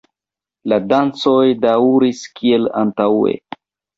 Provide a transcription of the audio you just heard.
La dancoj daŭris kiel antaŭe.